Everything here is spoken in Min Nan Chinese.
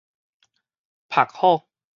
曝好